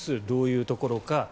どういうところか。